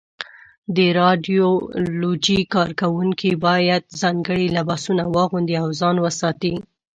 د رادیالوجۍ کارکوونکي باید ځانګړي لباسونه واغوندي او ځان وساتي.